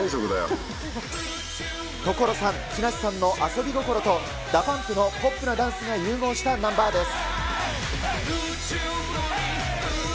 所さん、木梨さんの遊び心と、ＤＡＰＵＭＰのポップなダンスが融合したナンバーです。